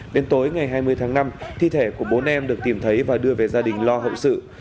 đến tối ngày hai mươi tháng năm thi thể của bốn em được tìm thấy và đưa về gia đình lo hậu sự